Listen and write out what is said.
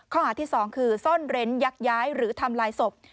ข้อหาที่๒คือซ่อนเร้นยักย้ายหรือทำลายศพ